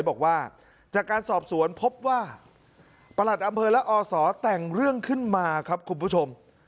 บอกว่าจากการสอบสวนพบว่าประหลัดอำเภอและอศแต่งเรื่องขึ้นมาครับคุณผู้ชม